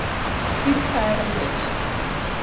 Kich kayo liech